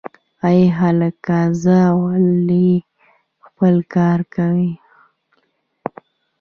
ای هلکه ځه غولی خپل کار کوه